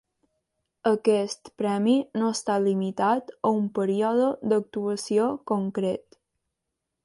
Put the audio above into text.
Aquest Premi no està limitat a un període d'actuació concret.